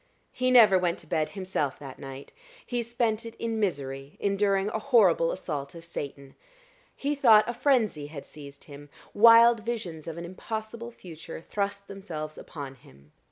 He never went to bed himself that night. He spent it in misery, enduring a horrible assault of Satan. He thought a frenzy had seized him. Wild visions of an impossible future thrust themselves upon him.